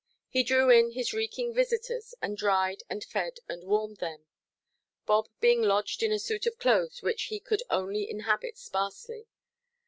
He drew in his reeking visitors, and dried, and fed, and warmed them; Bob being lodged in a suit of clothes which he could only inhabit sparsely.